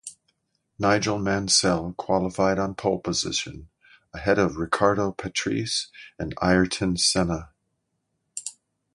Nigel Mansell qualified on pole position, ahead of Riccardo Patrese and Ayrton Senna.